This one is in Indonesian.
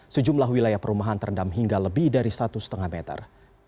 sejumlah wilayah perumahan terendam hingga lebih dari satu lima meter